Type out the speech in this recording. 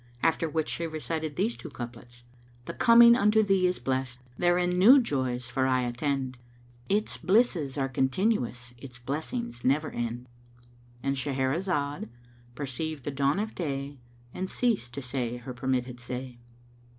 After which she recited these two couplets, "The coming unto thee is blest: * Therein new joys for aye attend: Its blisses are continuous * Its blessings never end." —And Shahrazad perceived the dawn of day and ceased to say her permitted say.